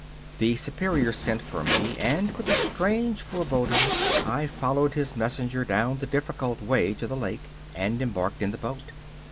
31 The Superior sent for me, and with a strange foreboding I followed his messenger down the difficult way to the lake and embarked in the boat.